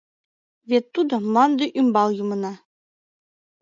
Вет тудо мланде ӱмбал юмына.